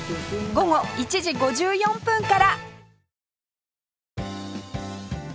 午後１時５４分から